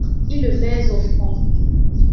Il le baise au front.